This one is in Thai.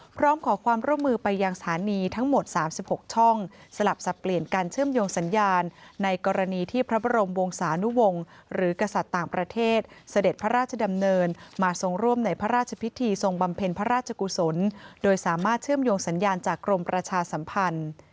พร้อมขอความร่วมมือไปยังสถานีทั้งหมด๓๖ช่องสลับสับเปลี่ยนการเชื่อมโยงสัญญาณในกรณีที่พระบรมวงศานุวงศ์หรือกษัตริย์ต่างประเทศเสด็จพระราชดำเนินมาทรงร่วมในพระราชพิธีทรงบำเพ็ญพระราชกุศลโดยสามารถเชื่อมโยงสัญญาณจากกรมประชาสัมพันธ์